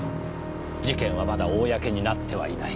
事件はまだ公になってはいない。